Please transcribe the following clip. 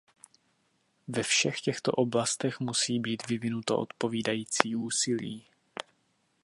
Ve všech těchto oblastech musí být vyvinuto odpovídající úsilí.